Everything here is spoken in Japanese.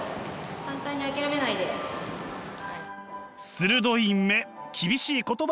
鋭い目厳しい言葉が飛びます。